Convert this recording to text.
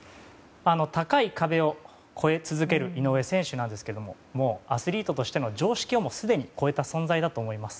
高い壁を超え続ける井上選手なんですけどもうアスリートとしての常識をすでに超えた存在だと思います。